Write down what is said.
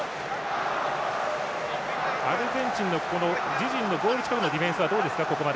アルゼンチンの自陣のゴール近くのディフェンスはどうですか？